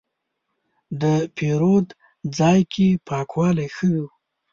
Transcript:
د پیرود ځای کې پاکوالی ښه و.